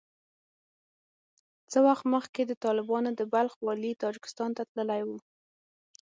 څه وخت مخکې د طالبانو د بلخ والي تاجکستان ته تللی وو